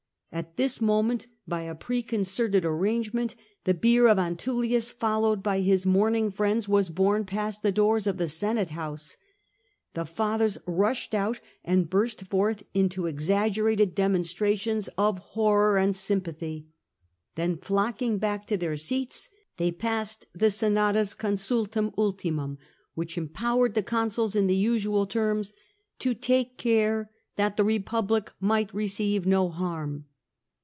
At this moment, by a preconcerted arrangement, the bier of Antullius, followed by his mourning friends, was borne past the doors of the Senate house. The Fathers rushed out and burst forth into exaggerated demonstrations of horror and sympathy. Then flocking back to their seats they passed the senatus consultum ultimumy which empowered the consuls, in the usual terms, "to take care that the republic might receive no harm.